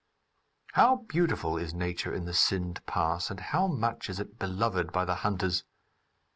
How beautiful is nature in the Sind pass, and how much is it beloved by the hunters!